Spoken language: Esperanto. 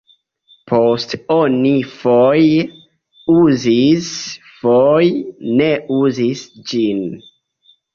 Poste oni foje uzis, foje ne uzis ĝin.